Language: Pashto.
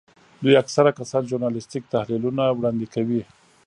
دوی اکثره کسان ژورنالیستیک تحلیلونه وړاندې کوي.